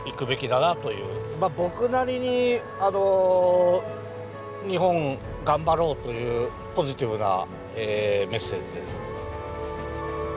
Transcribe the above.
僕なりに「日本頑張ろう」というポジティブなメッセージです。